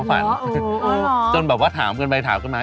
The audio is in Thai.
นางตื่นมานางหงุดหงิดใจ